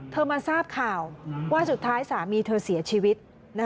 มาทราบข่าวว่าสุดท้ายสามีเธอเสียชีวิต